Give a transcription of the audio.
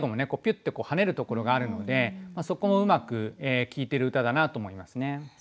ッてはねるところがあるのでそこもうまく効いてる歌だなと思いますね。